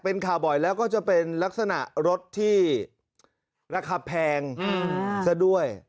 เป็นข่าวบ่อยแล้วก็จะเป็นลักษณะรถที่ราคาแพงซะด้วย